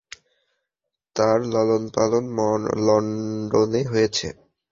তার লালনপালন লন্ডনে হয়েছে।